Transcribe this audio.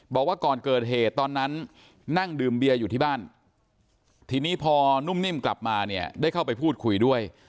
บอกว่าก่อนเกิดเหตุตอนนั้นนั่งดื่มเบียร์อยู่ที่บ้านทีนี้พอนุ่มนิ่มกลับมาเนี่ยได้เข้าไปพูดคุยด้วย